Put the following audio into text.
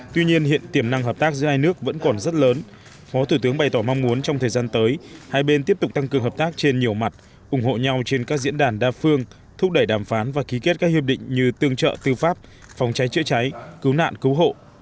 tuy nhiên hiện tiềm năng hợp tác giữa hai nước vẫn còn rất lớn phó thủ tướng bày tỏ mong muốn trong thời gian tới hai bên tiếp tục tăng cường hợp tác trên nhiều mặt ủng hộ nhau trên các diễn đàn đa phương thúc đẩy đàm phán và ký kết các hiệp định như tương trợ tư pháp phòng cháy chữa cháy cứu nạn cứu hộ